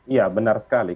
iya benar sekali